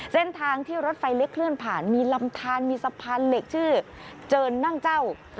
เส้นทางที่รถไฟเล็กเคลื่อนผ่านมีลำทานมีสะพานเหล็กชื่อเจินนั่งเจ้า